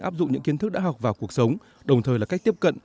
áp dụng những kiến thức đã học vào cuộc sống đồng thời là cách tiếp cận